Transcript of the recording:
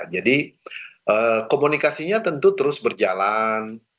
jadi komunikasinya tentu terus berjalan